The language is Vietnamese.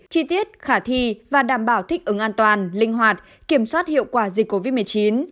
chi tiết khả thi và đảm bảo thích ứng an toàn linh hoạt kiểm soát hiệu quả dịch covid một mươi chín